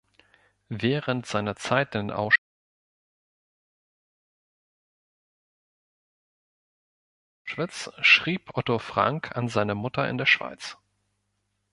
Während seiner Zeit in Auschwitz schrieb Otto Frank an seine Mutter in der Schweiz.